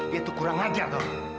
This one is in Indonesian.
dia tuh kurang ngajar dong